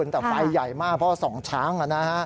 แต่ไฟใหญ่มากเพราะ๒ช้าง